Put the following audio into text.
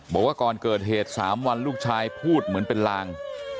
บอกว่าก่อนเกิดเหตุ๓วันลูกชายพูดเหมือนเป็นลาง